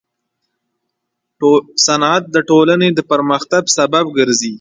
صنعت د ټولنې د پرمختګ سبب ګرځي.